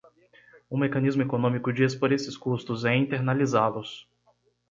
Um mecanismo econômico de expor esses custos é internalizá-los.